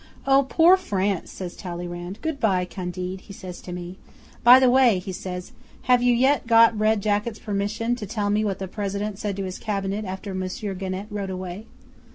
'"Oh! poor France!" says Talleyrand. "Good bye, Candide," he says to me. "By the way," he says, "have you yet got Red Jacket's permission to tell me what the President said to his Cabinet after Monsieur Genet rode away?"